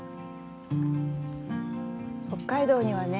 北海道にはね